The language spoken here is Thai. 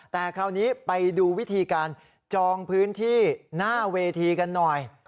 แต่คราวนี้ไปดูวิธีการจองพื้นที่หน้าเวทีกันหน่อย